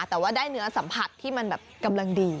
แต่ว่าได้เนื้อสัมผัสที่มันแบบกำลังดี